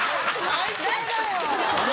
最低だよ。